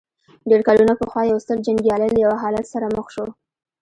ډېر کلونه پخوا يو ستر جنګيالی له يوه حالت سره مخ شو.